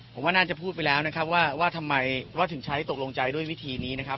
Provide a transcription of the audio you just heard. ผมว่าน่าจะพูดไปแล้วนะครับว่าทำไมเพราะถึงใช้ตกลงใจด้วยวิธีนี้นะครับ